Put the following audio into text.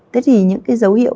thế thì những dấu hiệu